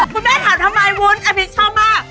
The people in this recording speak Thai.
คุณแม่ขอถามทำไมวุ้นอันนี้ชอบมาก